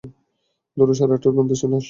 ধরো, সাড়ে আটটার মধ্যে আসলে না।